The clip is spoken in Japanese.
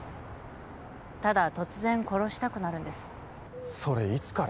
ただ突然殺したくなるんですそれいつから？